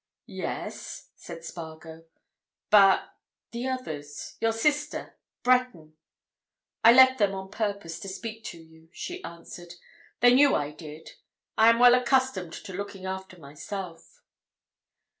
"Yes," said Spargo. "But—the others? Your sister?—Breton?" "I left them on purpose to speak to you," she answered. "They knew I did. I am well accustomed to looking after myself."